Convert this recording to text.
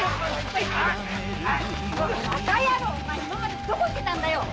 お前今までどこ行ってたんだよ！